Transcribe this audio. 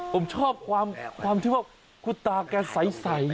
ผมชอบความคุณตาเป็นสายใส